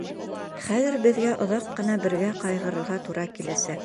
Хәҙер беҙгә оҙаҡ ҡына бергә... ҡайғырырға тура киләсәк.